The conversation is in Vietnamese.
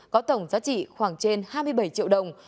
có tổng giá trị khoảng trên hai mươi bảy triệu đồng